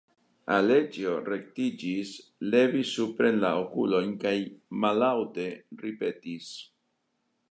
Aleĉjo rektiĝis, levis supren la okulojn kaj mallaŭte ripetis.